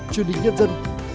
chương trình nhân dân